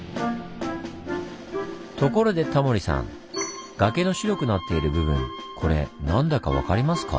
ところでタモリさん崖の白くなっている部分これ何だか分かりますか？